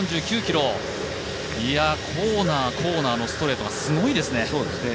コーナー、コーナーのストレートがすごいですね。